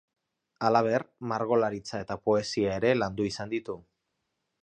Halaber, margolaritza eta poesia ere landu izan ditu.